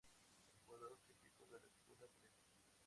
Jugador típico de la escuela coreana.